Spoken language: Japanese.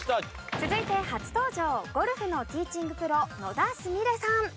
続いて初登場ゴルフのティーチングプロ野田すみれさん。